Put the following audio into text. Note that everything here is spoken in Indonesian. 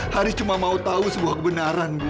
haris cuma mau tahu sebuah kebenaran bu